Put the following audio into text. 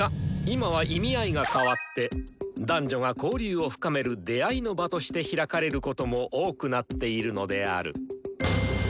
今は意味合いが変わって男女が交流を深める出会いの場として開かれることも多くなっているのである。